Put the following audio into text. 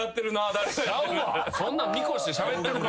そんなん見越してしゃべってるか。